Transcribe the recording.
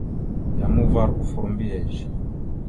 Yam uvar offor mbiyez.